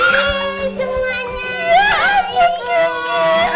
ya selamat pagi